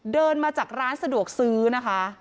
เดินมาจากร้านสะดวกซื้อนะคะ